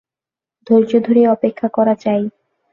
ধৈর্য ধরিয়া অপেক্ষা করা চাই।